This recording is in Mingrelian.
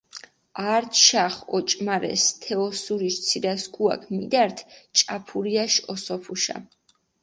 ართიშახჷ ოჭუმარესჷ თე ოსურიში ცირასქუაქჷ მიდართჷ ჭაფურიაში ოსოფუშა.